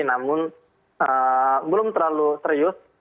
namun belum terlalu serius